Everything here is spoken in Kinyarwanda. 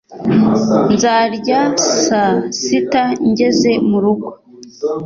Nzarya saa sita ngeze murugo